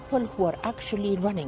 mereka tidak bisa melihat kita